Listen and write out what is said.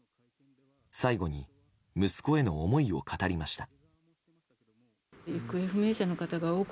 最後に息子への思いを語りました。